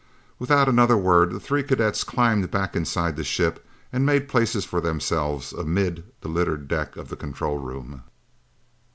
Without another word, the three cadets climbed back inside the ship and made places for themselves amid the littered deck of the control room.